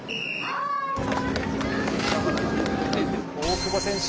大久保選手